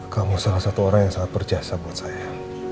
kamu salah satu orang yang sangat berjasa buat saya